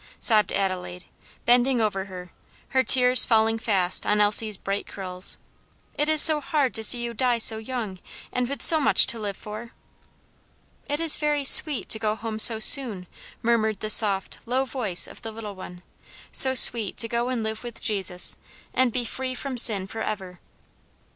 sobbed Adelaide, bending over her, her tears falling fast on Elsie's bright curls. "It is too hard to see you die so young, and with so much to live for." "It is very sweet to go home so soon," murmured the soft, low voice of the little one, "so sweet to go and live with Jesus, and be free from sin forever!"